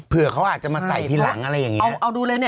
เผื่อเขาอาจจะมาใส่ที่หลังอะไรอย่างนี้